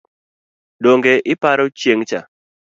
Donge ipare chieng’cha?